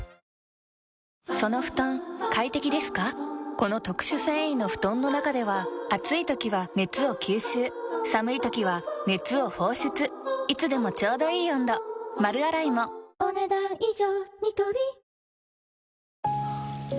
この特殊繊維の布団の中では暑い時は熱を吸収寒い時は熱を放出いつでもちょうどいい温度丸洗いもお、ねだん以上。